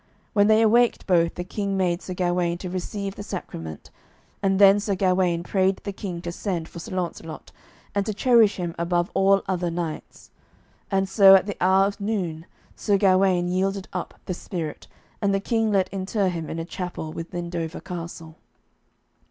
When they awaked both, the King made Sir Gawaine to receive the sacrament, and then Sir Gawaine prayed the King to send for Sir Launcelot, and to cherish him above all other knights. And so at the hour of noon, Sir Gawaine yielded up the spirit, and the King let inter him in a chapel within Dover Castle.